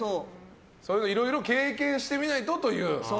いろいろ経験してみないとという。